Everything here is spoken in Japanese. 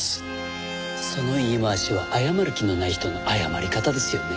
その言い回しは謝る気のない人の謝り方ですよね。